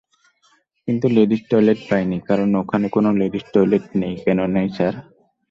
কিন্তু, ladies toilet পাইনি কারণ এখানে কোন লেডিস টয়লেট নেই কেন নেই স্যার?